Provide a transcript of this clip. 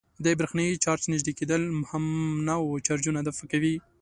د برېښنايي چارج نژدې کېدل همنوع چارجونه دفع کوي.